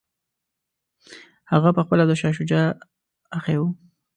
هغه پخپله د شاه شجاع اخښی وو.